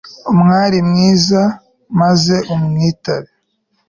umwali mwiza, maze umwitabe